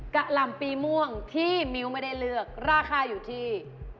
กะหล่ำปีม่วงที่มิ้วไม่ได้เลือกราคาอยู่ที่